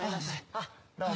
あっどうも。